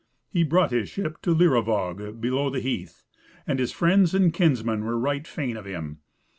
He brought his ship to Leiruvag, below the Heath, and his friends and kinsmen were right fain of him.